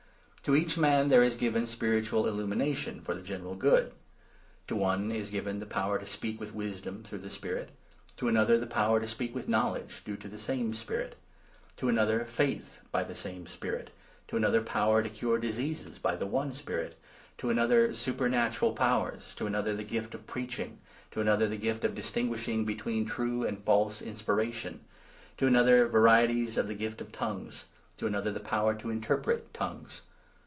To 7 each man there is given spiritual illumination for the general good. To one is given the power to speak with wisdom 8 through the Spirit ; to another the power to speak with know ledge, due to the same Spirit ; to another faith by the same 9 Spirit ; to another power to cure diseases by the one Spirit ; to another supernatural powers ; to another the gift of 10 preaching ; to another the gift of distinguishing between true and false inspiration ; to another varieties of the gift of ' tongues '; to another the power to interpret ' tongues.'